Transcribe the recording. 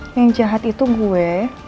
yang jahat itu gue